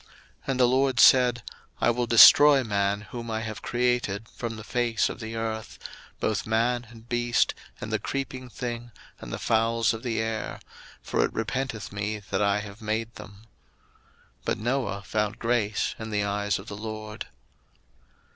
01:006:007 And the LORD said, I will destroy man whom I have created from the face of the earth; both man, and beast, and the creeping thing, and the fowls of the air; for it repenteth me that I have made them. 01:006:008 But Noah found grace in the eyes of the LORD.